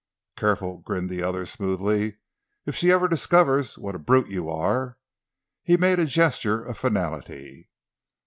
"Careful," grinned the other, smoothly. "If she ever discovers what a brute you are—" He made a gesture of finality.